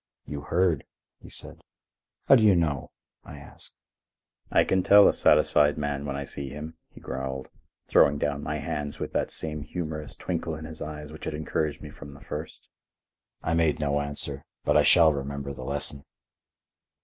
"You heard," he said. "How do you know?" I asked. "I can tell a satisfied man when I see him," he growled, throwing down my hands with that same humorous twinkle in his eyes which had encouraged me from the first. I made no answer, but I shall remember the lesson.